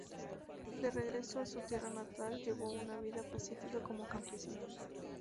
De regreso en su tierra natal, llevó una vida pacífica como campesino.